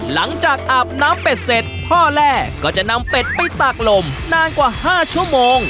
หลังจากอาบน้ำเป็ดเสร็จพ่อแร่ก็จะนำเป็ดนานกว่าห้าชั่วโมง